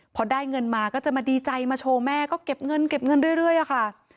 พอได้เงินมาก็จะมาดีใจมาโชว์แม่ก็เก็บเงินเก็บเงินเรื่อยอะค่ะ